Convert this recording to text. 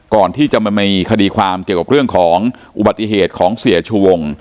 มันมีคดีความเกี่ยวกับเรื่องของอุบัติเหตุของเสียชูวง